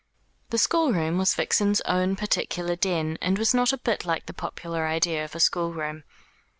The schoolroom was Vixen's own particular den, and was not a bit like the popular idea of a schoolroom.